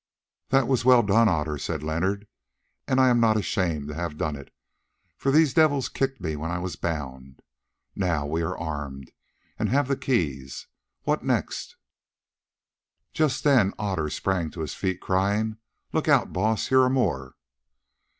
"That was well done, Otter," said Leonard, "and I am not ashamed to have done it, for these devils kicked me when I was bound. Now we are armed, and have the keys. What next?" Just then Otter sprang to his feet, crying, "Look out, Baas; here are more."